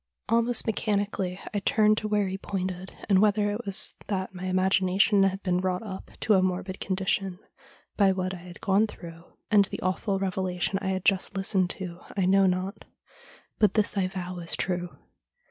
' Almost mechanically I turned to where he pointed, and whether it was that my imagination had been wrought up to a morbid condition by what I had gone through and the awful revelation I had just listened to I know not; but this I vow is true.